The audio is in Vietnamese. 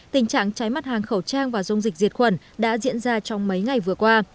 tình trạng cháy mặt hàng khẩu trang và dung dịch diệt khuẩn đã diễn ra trong mấy ngày vừa qua